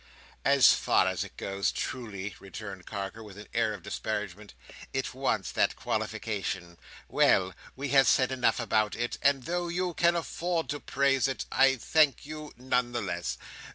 "As far as it goes, truly," returned Carker, with an air of disparagement. "It wants that qualification. Well! we have said enough about it; and though you can afford to praise it, I thank you nonetheless.